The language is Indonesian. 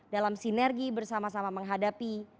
dalam sinergi bersama sama menghadapi